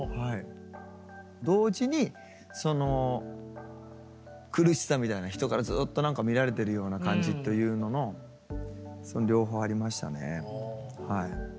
同時にその苦しさみたいな人からずっと何か見られてるような感じというののその両方ありましたねはい。